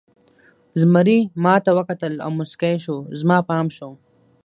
زمري ما ته وکتل او موسکی شو، زما پام شو.